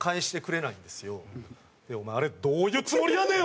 でお前あれどういうつもりやねん！？